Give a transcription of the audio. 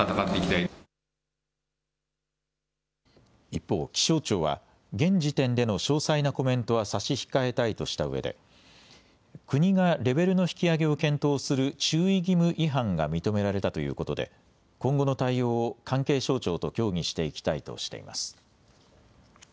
一方、気象庁は現時点での詳細なコメントは差し控えたいとしたうえで国がレベルの引き上げを検討する注意義務違反が認められたということで今後の対応を関係省庁と協議していきたいとしています。